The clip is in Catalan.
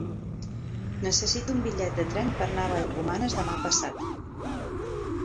Necessito un bitllet de tren per anar a Vallromanes demà passat.